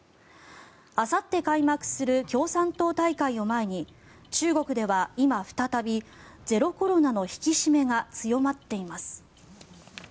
あさって開幕する共産党大会を前に中国では今、再びゼロコロナの引き締めが強まっています。